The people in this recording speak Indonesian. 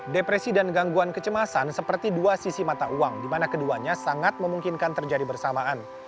depresi dan gangguan kecemasan seperti dua sisi mata uang di mana keduanya sangat memungkinkan terjadi bersamaan